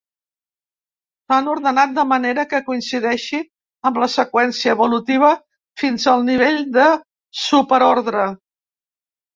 S'han ordenat de manera que coincideixi amb la seqüència evolutiva fins al nivell de superordre.